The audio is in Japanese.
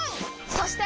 そして！